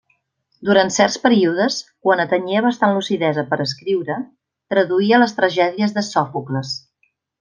Durant certs períodes, quan atenyia bastant lucidesa per a escriure, traduïa les tragèdies de Sòfocles.